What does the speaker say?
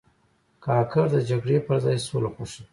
کاکړ د جګړې پر ځای سوله خوښوي.